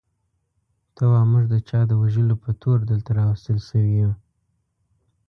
ته وا موږ د چا د وژلو په تور دلته راوستل شوي یو.